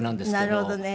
なるほどね。